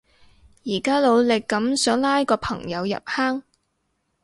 而家努力噉想拉個朋友入坑